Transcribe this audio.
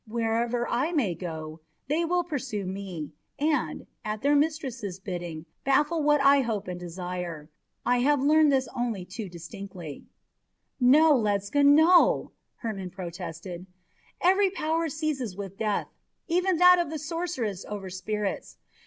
Wherever I may go, they will pursue me and, at their mistress's bidding, baffle what I hope and desire. I have learned this only too distinctly!" "No, Ledscha, no," Hermon protested. "Every power ceases with death, even that of the sorceress over spirits.